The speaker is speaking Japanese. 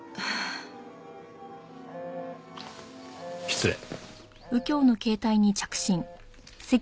失礼。